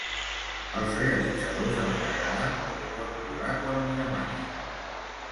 Als realitzadors els agrada perquè pot plorar quan li demanen.